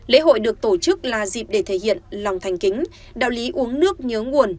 lễ hội được tổ chức là dịp để thể hiện lòng thành kính đạo lý uống nước nhớ nguồn